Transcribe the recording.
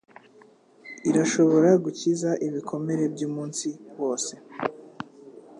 irashobora gukiza ibikomere byumunsi wose "